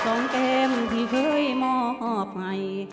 ส่องเต็มที่เคยหมอบให้